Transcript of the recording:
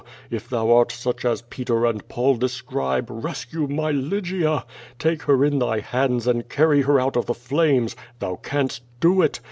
If Thou art such as Peter and Paul describe, rescue my Lygia! Take her in Thy hands and carry her out of the flames! Thou canst do it!